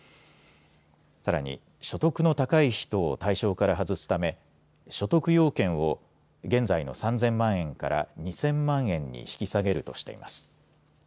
さらに所得の高い人を対象から外すため所得要件を現在の３０００万円から２０００万円に引き下げるとしています。